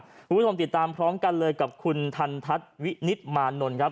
คุณผู้ชมติดตามพร้อมกันเลยกับคุณทันทัศน์วินิตมานนท์ครับ